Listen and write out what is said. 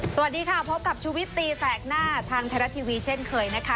สวัสดีค่ะพบกับชุวิตตีแสกหน้าทางไทยรัฐทีวีเช่นเคยนะคะ